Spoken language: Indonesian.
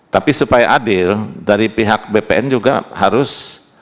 tapi supaya adil dari pihak bpn juga harus